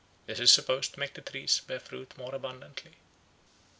This is supposed to make the trees bear fruit more abundantly.